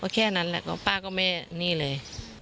แค่นั้นแหละก็ป้าก็ไม่นี่เลย